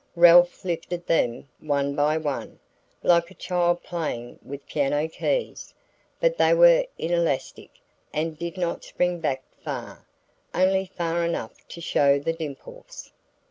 Ralph lifted them one by one, like a child playing with piano keys, but they were inelastic and did not spring back far only far enough to show the dimples.